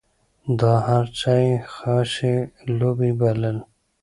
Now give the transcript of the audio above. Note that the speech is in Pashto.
دا هر څه یې خاصې لوبې بلل.